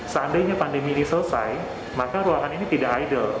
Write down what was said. seandainya pandemi ini selesai maka ruangan ini tidak idle